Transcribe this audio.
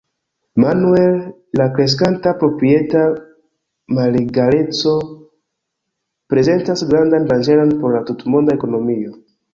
Manuel, la kreskanta proprieta malegaleco prezentas grandan danĝeron por la tutmonda ekonomio.